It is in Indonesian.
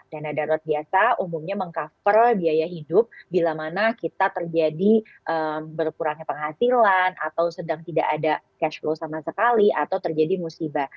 dana darurat biasa umumnya meng cover biaya hidup bila mana kita terjadi berkurangnya penghasilan atau sedang tidak ada cash flow sama sekali atau terjadi musibah